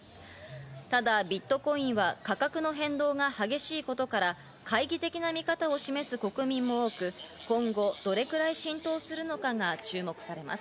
ただ、ビットコインは価格の変動が激しいことから、懐疑的な見方を示す国民も多く、今後どれくらい浸透するのかが注目されます。